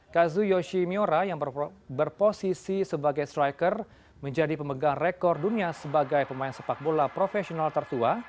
kazu yoshi miora yang berposisi sebagai striker menjadi pemegang rekor dunia sebagai pemain sepak bola profesional tertua